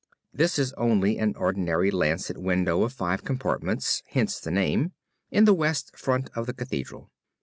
This is only an ordinary lancet window of five compartments hence the name in the west front of the Cathedral.